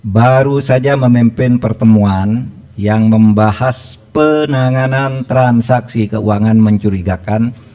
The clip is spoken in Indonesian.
baru saja memimpin pertemuan yang membahas penanganan transaksi keuangan mencurigakan